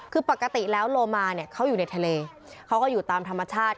คือปกติแล้วโลมาเนี่ยเขาอยู่ในทะเลเขาก็อยู่ตามธรรมชาติ